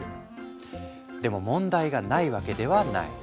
でも問題がないわけではない。